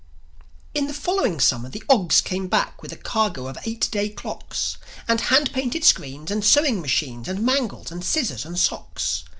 In the following Summer the Ogs came back With a cargo of eight day clocks, And hand painted screens, and sewing machines, And mangles, and scissors, and socks.